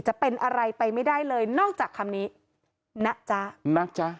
จะเป็นอะไรไปไม่ได้เลยนอกจากคำนี้นะจ๊ะนะจ๊ะ